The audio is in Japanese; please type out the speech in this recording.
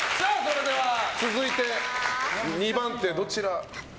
続いて、２番手はどちらから？